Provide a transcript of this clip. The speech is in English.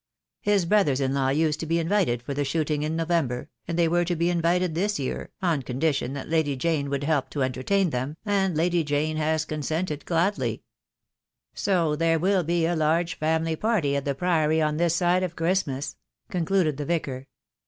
His brothers in law used to be invited for the shooting in November, and they were to be in vited this year, on condition that Lady Jane would help 206 THE DAY WILL COME. to entertain them, and Lady Jane has consented gladly. So there will be a large family party at the Priory on this side of Christmas/' concluded the Vicar.